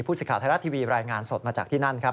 สิทธิ์ไทยรัฐทีวีรายงานสดมาจากที่นั่นครับ